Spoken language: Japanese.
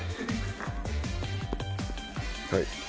はい。